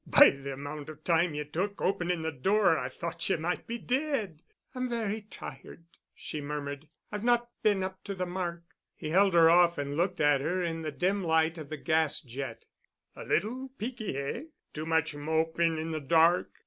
By the amount of time ye took opening the door, I thought ye might be dead——" "I'm very tired—," she murmured, "I've not been up to the mark——" He held her off and looked at her in the dim light from the gas jet. "A little peaky—eh—too much moping in the dark.